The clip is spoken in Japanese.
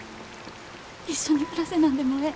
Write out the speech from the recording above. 一緒に暮らせなんでもええ。